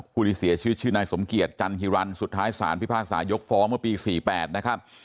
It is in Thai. ที่เสียชีวิตชื่อนายสมเกียจจันฮิรันสุดท้ายสารพิพากษายกฟ้องเมื่อปี๔๘นะครับ